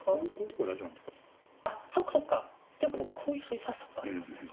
ていうか僕こういう将棋指したことありますね。